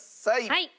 はい！